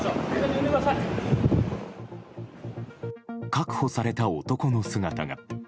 確保された男の姿が。